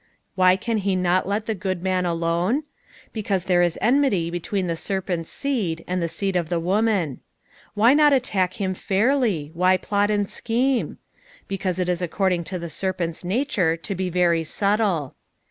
Why can he not let (tie good man alone ? Because there is eumitj between the eerpenl's seed and the seed of the woman. Why not attack him fairly t Why plot and xcheme f Because it ia according to the serpent's nature to be very subtle.